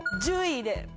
１０位で。